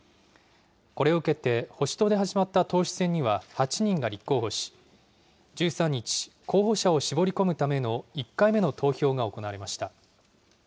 これを受けて、保守党で始まった党首選には８人が立候補し、１３日、候補者を絞り込むための１回目の投票が行われました。